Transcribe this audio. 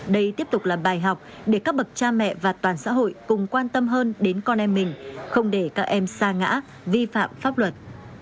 đây tiếp tục là bài học để các bậc cha mẹ và toàn xã hội cùng quan tâm hơn đến con em mình không để các em xa ngã vi phạm pháp luật